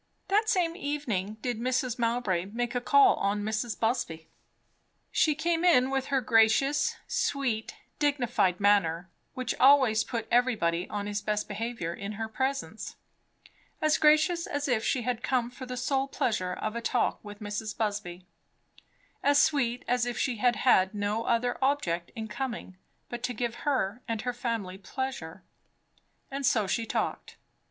That same evening did Mrs. Mowbray make a call on Mrs. Busby. She came in with her gracious, sweet, dignified manner, which always put everybody upon his best behaviour in her presence; as gracious as if she had come for the sole pleasure of a talk with Mrs. Busby; as sweet as if she had had no other object in coming but to give her and her family pleasure. And so she talked.